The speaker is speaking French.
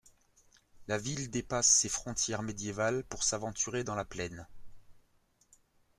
La ville dépasse ses frontières médiévales pour s'aventurer dans la plaine.